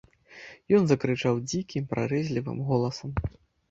Ён закрычаў дзікім, прарэзлівым голасам.